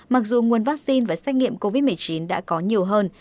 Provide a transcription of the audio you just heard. mặc dù nguồn vaccine và xét nghiệm covid một mươi chín đã có nhiều hơn